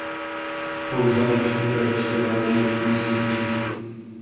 Bohužel ne všechny evropské vlády mají stejný přístup.